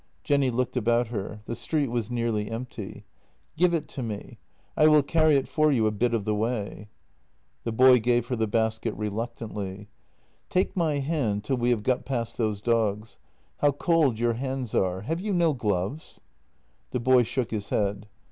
Jenny looked about her; the street was nearly empty: " Give it to me. I will carry it for you a bit of the way." The boy gave her the basket reluctantly. " Take my hand till we have got past those dogs. How cold your hands are! Have you no gloves? " The boy shook his head.